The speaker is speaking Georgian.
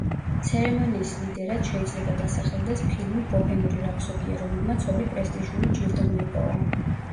ცერემონიის ლიდერად შეიძლება დასახელდეს ფილმი „ბოჰემური რაფსოდია“, რომელმაც ორი პრესტიჟული ჯილდო მოიპოვა.